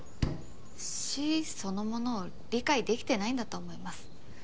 死そのものを理解できてないんだと思います。